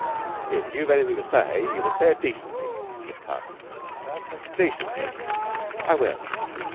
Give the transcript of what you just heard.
"If you've anything to say you must say it decently,'' said Carson. "Decently? I will.